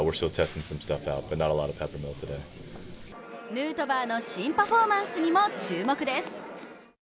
ヌートバーの新パフォーマンスにも注目です。